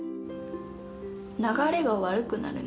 流れが悪くなる？